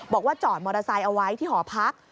บอกว่าจอดมอเตอร์ไซค์เอาไว้ที่หอพัก